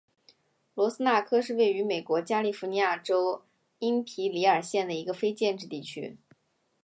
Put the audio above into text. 罗斯科纳是位于美国加利福尼亚州因皮里尔县的一个非建制地区。